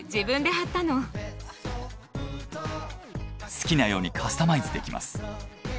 好きなようにカスタマイズできます。